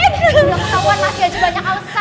gak ketahuan masih aja banyak alesan ya